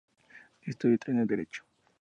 Estudió y terminó Derecho.